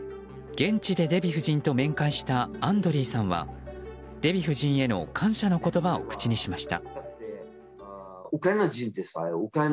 現地でデヴィ夫人と面会したアンドリーさんはデヴィ夫人への感謝の言葉を口にしました。